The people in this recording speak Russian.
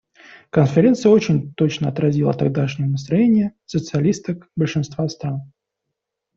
Конференция очень точно отразила тогдашнее настроение социалисток большинства стран.